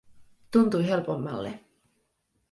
Tuntui helpommalle.